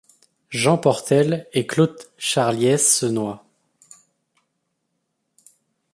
Jean Portelle et Claude Chaliès se noient.